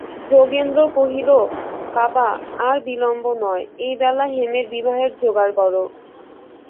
যোগেন্দ্র কহিল, বাবা, আর বিলম্ব নয়, এইবেলা হেমের বিবাহের জোগাড় করো।